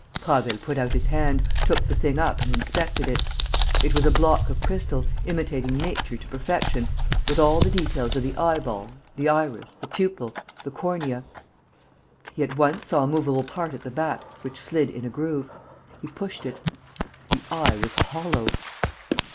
Prasville put out his hand, took the thing up and inspected it. It was a block of crystal, imitating nature to perfection, with all the details of the eyeball, the iris, the pupil, the cornea. He at once saw a movable part at the back, which slid in a groove. He pushed it. The eye was hollow.